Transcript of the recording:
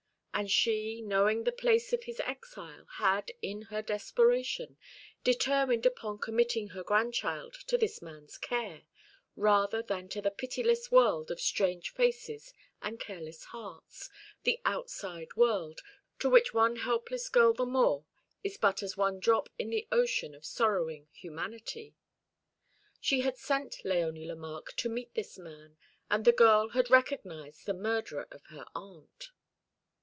And she, knowing the place of his exile, had, in her desperation, determined upon committing her grandchild to this man's care; rather than to the pitiless world of strange faces and careless hearts, the outside world, to which one helpless girl the more is but as one drop in the ocean of sorrowing humanity. She had sent Léonie Lemarque to meet this man, and the girl had recognised the murderer of her aunt.